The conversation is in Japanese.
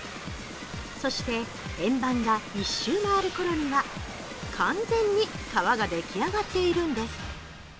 そして円盤が１周回る頃には完全に皮ができあがっているんです。